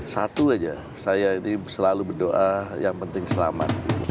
satu aja saya ini selalu berdoa yang penting selamat